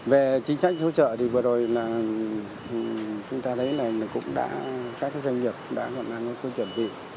về chính sách hỗ trợ thì vừa rồi là chúng ta thấy là cũng đã các doanh nghiệp đã hoạt động một số chuẩn bị